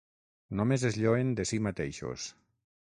Només es lloen de si mateixos.